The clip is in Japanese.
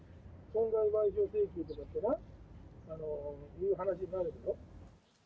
損害賠償請求とかってな、いう話になるだろ。